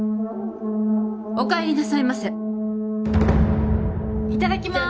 お帰りなさいませいただきまーす！